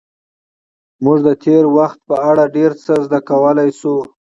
موږ د تېر وخت په اړه ډېر څه زده کولی شو.